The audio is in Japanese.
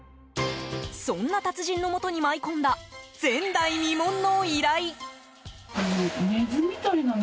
そんな達人のもとに舞い込んだ前代未聞の依頼。